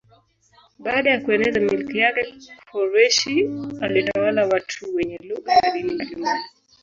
Baada ya kueneza milki yake Koreshi alitawala watu wenye lugha na dini mbalimbali.